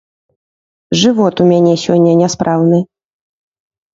Жывот у мяне сёння няспраўны.